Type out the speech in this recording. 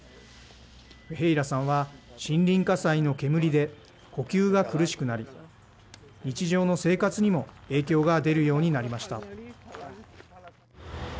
フェヘイラさんは森林火災の煙で、呼吸が苦しくなり、日常の生活にも影響が出るようになりました。